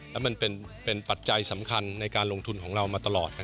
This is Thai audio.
และมันเป็นปัจจัยสำคัญในการลงทุนของเรามาตลอด